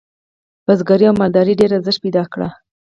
بزګرۍ او مالدارۍ ډیر ارزښت پیدا کړ.